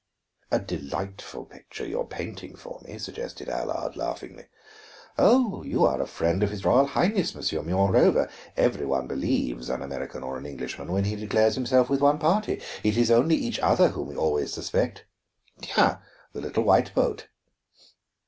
"A delightful picture you are painting for me," suggested Allard laughingly. "Oh, you are the friend of his Royal Highness, monsieur. Moreover, every one believes an American or an Englishman when he declares himself with one party; it is only each other whom we always suspect. Tiens, the little white boat!"